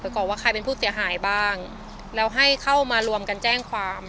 ก่อนว่าใครเป็นผู้เสียหายบ้างแล้วให้เข้ามารวมกันแจ้งความ